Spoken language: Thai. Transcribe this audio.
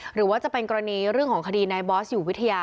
หรือว่าจะเป็นกรณีเรื่องของคดีนายบอสอยู่วิทยา